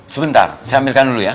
sebentar saya ambilkan dulu ya